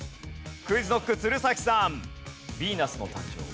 ＱｕｉｚＫｎｏｃｋ鶴崎さん。